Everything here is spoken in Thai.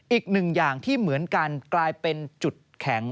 อีกหนึ่งอย่างที่เหมือนกันกลายเป็นจุดแข็ง